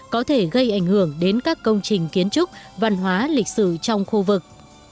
có thể gây ảnh hưởng đến các công trình kiến trúc văn hóa lịch sử trong khu vực